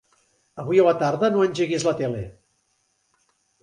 Avui a la tarda no engeguis la tele.